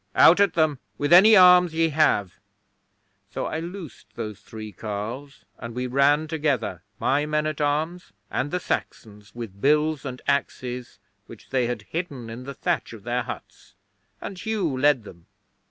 Out at them with any arms ye have!" So I loosed those three carles and we ran together, my men at arms and the Saxons with bills and axes which they had hidden in the thatch of their huts, and Hugh led them.